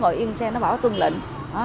ngồi yên xe nó bảo tuân lệnh